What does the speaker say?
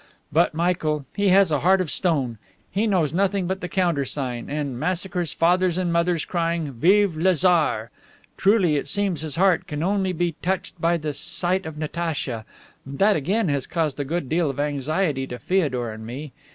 But Michael, he has a heart of stone; he knows nothing but the countersign and massacres fathers and mothers, crying, 'Vive le Tsar!' Truly, it seems his heart can only be touched by the sight of Natacha. And that again has caused a good deal of anxiety to Feodor and me.